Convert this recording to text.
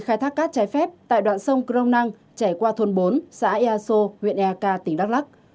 khai thác các trái phép tại đoạn sông krong nang chảy qua thôn bốn xã erso huyện erka tỉnh đắk lắc